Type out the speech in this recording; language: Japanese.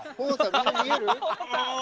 みんな見える？